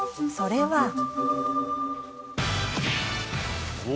それは。